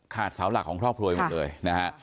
เสาหลักของครอบครัวหมดเลยนะฮะ